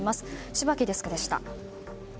柴木デスクでした。